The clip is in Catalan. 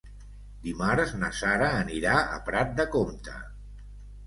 Dimarts na Sara anirà a Prat de Comte.